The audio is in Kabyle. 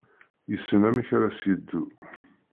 Yessen amek ara s-yeddu.